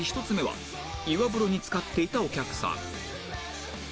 １つ目は岩風呂に浸かっていたお客さん